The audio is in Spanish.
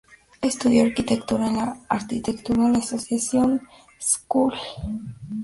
Estudió arquitectura en la Architectural Association School of Architecture de Londres.